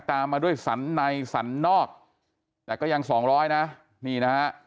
ตามมาด้วยสันในสรรนอกแต่ก็ยังสองร้อยนะนี่นะฮะ